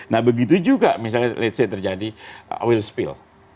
nah begitu juga misalnya terjadi oil spill